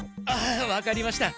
わかりました。